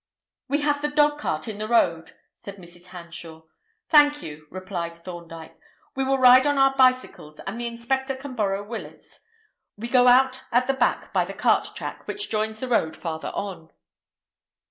"We have the dogcart in the road," said Mrs. Hanshaw. "Thank you," replied Thorndyke. "We will ride on our bicycles, and the inspector can borrow Willett's. We go out at the back by the cart track, which joins the road farther on."